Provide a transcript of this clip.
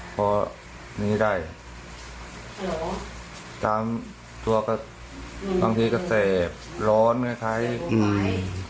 เพราะนี้ได้หรอตามตัวก็อืมบางทีก็เสพร้อนใกล้ไข่อืม